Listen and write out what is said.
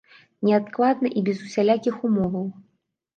Неадкладна і без усялякіх умоваў.